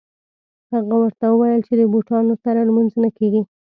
هغه ورته وویل چې د بوټانو سره لمونځ نه کېږي.